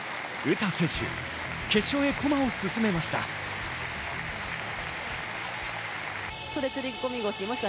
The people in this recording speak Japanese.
詩選手、決勝へ駒を進めました。